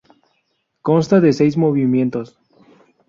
Consta de seis movimientos.